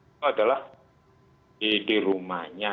itu adalah di rumahnya